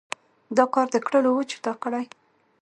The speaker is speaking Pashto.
دا کار د کړلو وو چې تا کړى.